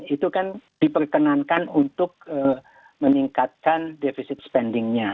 itu kan diperkenankan untuk meningkatkan deficit spendingnya